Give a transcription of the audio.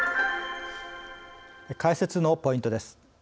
解説のポイントです。